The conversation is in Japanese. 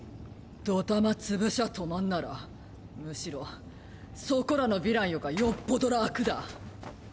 ドタマ潰しゃあ止まんならむしろそこらのヴィランよかよっぽど楽だ！